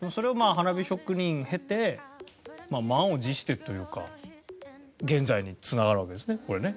花火職人を経て満を持してというか現在に繋がるわけですねこれね。